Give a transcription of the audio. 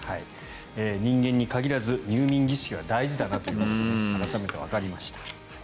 人間に限らず入眠儀式は大事だなと改めてわかりました。